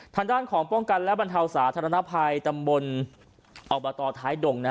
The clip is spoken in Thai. ทางด้านของป้องกันและบรรเทาสาธารณภัยตำบลอบตท้ายดง